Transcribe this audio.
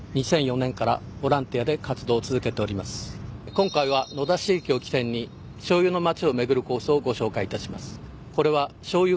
今回は野田市駅を起点にしょうゆの街を巡るコースをご紹介いたします。